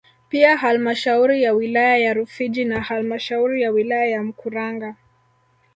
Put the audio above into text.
Pia halmashauri ya wilaya ya Rufiji na halmashauri ya wilaya ya Mkuranga